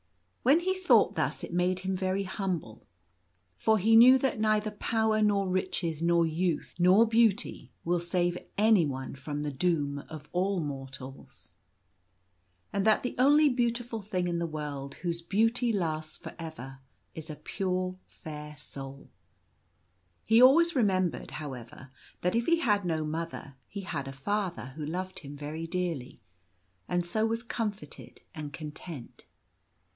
When he thought thus it made him very humble ; for he knew that neither power, nor riches, nor youth, nor beauty will save any one from the doom of all mortals, How Living Things loved him . 1 5 and that the only beautiful thing in the world whose beauty lasts for ever is a pure, fair soul. He always remembered, however, that if he had no mother he had a father who loved him very dearly, and so was comforted and content.